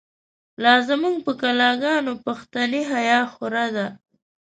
لازموږ په کلاګانو، پښتنی حیا خو ره ده